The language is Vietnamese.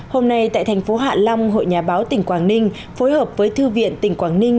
hôm nay tại thành phố hạ long hội nhà báo tỉnh quảng ninh phối hợp với thư viện tỉnh quảng ninh